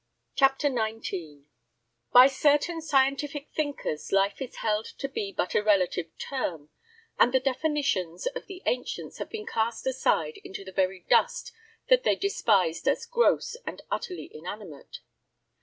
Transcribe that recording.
CHAPTER XIX By certain scientific thinkers life is held to be but a relative term, and the "definitions" of the ancients have been cast aside into the very dust that they despised as gross and utterly inanimate.